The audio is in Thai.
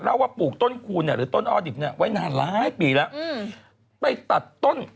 ว่าปลูกต้นคูณเนี่ยหรือต้นออดิบเนี้ยไว้นานหลายปีแล้วอืมไปตัดต้น